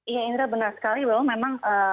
iya indra benar sekali bahwa memang